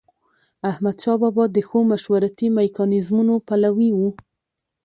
احمدشاه بابا د ښو مشورتي میکانیزمونو پلوي و.